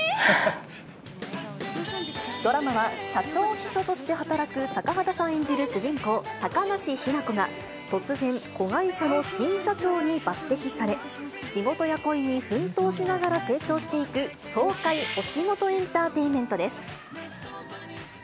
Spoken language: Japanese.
ドラマは社長秘書として働く、高畑さん演じる主人公、高梨雛子が、突然、子会社の新社長に抜てきされ、仕事や恋に奮闘しながら成長していく、爽快お仕事エンターテインメントです。